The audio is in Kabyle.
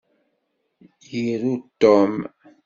Iru Tom.